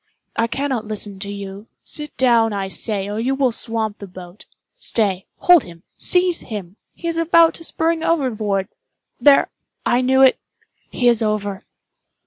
I cannot listen to you. Sit down, I say, or you will swamp the boat. Stay—hold him—seize him!—he is about to spring overboard! There—I knew it—he is over!"